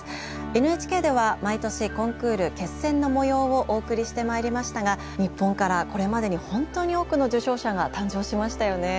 ＮＨＫでは毎年コンクール決選の模様をお送りしてまいりましたが日本からこれまでにほんとに多くの受賞者が誕生しましたよね。